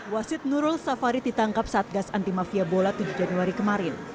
wasid nurul safarid ditangkap satgas anti mafia bola tujuh januari kemarin